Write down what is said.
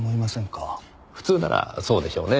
普通ならそうでしょうね。